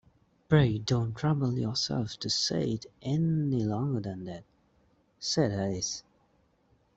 ‘Pray don’t trouble yourself to say it any longer than that,’ said Alice.